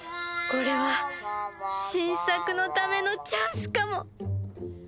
これは新作のためのチャンスかも！